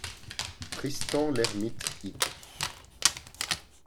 Tristan l’Ermite id.